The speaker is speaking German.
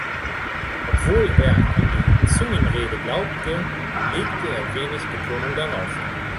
Obwohl er an die Zungenrede glaubte, legte er wenig Betonung darauf.